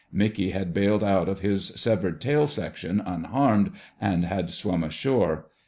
Mickey had bailed out of his severed tail section unharmed and had swum ashore.